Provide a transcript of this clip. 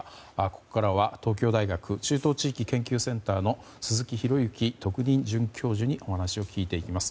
ここからは東京大学中東地域研究センターの鈴木啓之特任准教授にお話を聞いていきます。